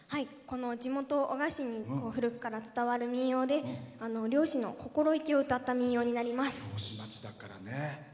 地元・男鹿市に古くから伝わる民謡で漁師の心意気を歌った民謡になります。